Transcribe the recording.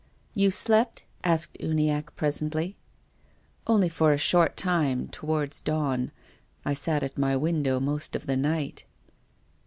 "You slept?" asked Uniacke presently. " Only for a short time towards dawn. I sat at my window most of the night."